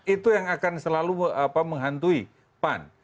itu yang akan selalu menghantui pan